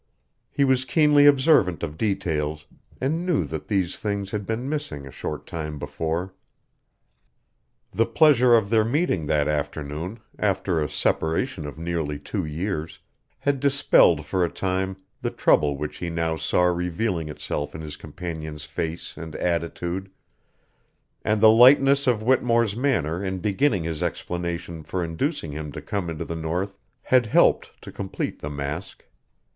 He was keenly observant of details, and knew that these things had been missing a short time before. The pleasure of their meeting that afternoon, after a separation of nearly two years, had dispelled for a time the trouble which he now saw revealing itself in his companion's face and attitude, and the lightness of Whittemore's manner in beginning his explanation for inducing him to come into the north had helped to complete the mask.